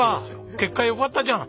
結果よかったじゃん。